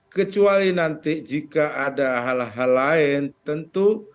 kecuali nanti jika ada hal hal lain tentu